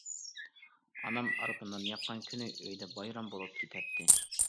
ئانام ئارپا نان ياققان كۈنى ئۆيدە بايرام بولۇپ كېتەتتى.